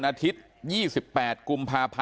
นางมอนก็บอกว่า